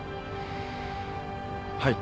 はい。